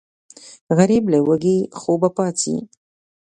غریب له وږي خوبه پاڅي